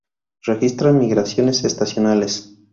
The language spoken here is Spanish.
Registran migraciones estacionales.